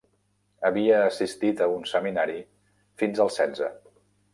Havia assistit a un seminari fins als setze.